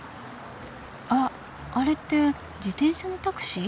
あっあれって自転車のタクシー？